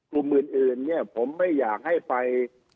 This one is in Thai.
ภูมิอื่นนะครับผมไม่อยากให้ไป